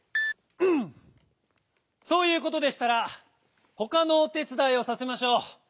そういうことでしたらほかのおてつだいをさせましょう。